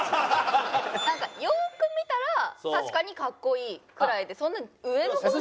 なんかよく見たら確かにかっこいいくらいでそんな上の方に。